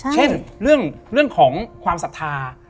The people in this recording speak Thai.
เช่นเรื่องของความศรัทธา